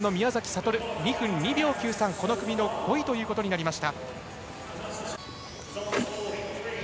日本の宮崎哲、２分２秒９３この組の５位ということになりました。